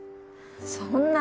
そんな。